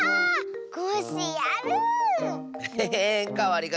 コッシーやる！